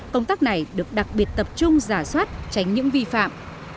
công tác này được đặc biệt tập trung giả soát tránh những vi phạm